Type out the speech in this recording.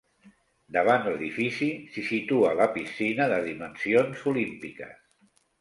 Davant l'edifici s'hi situa la piscina de dimensions olímpiques.